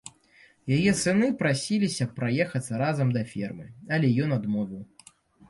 Яе сыны прасіліся праехацца разам да фермы, але ён адмовіў.